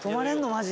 マジ。